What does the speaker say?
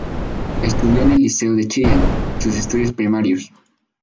Estudió en el Liceo de Chillán sus estudios primarios.